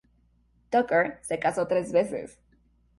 Tucker se casó tres veces.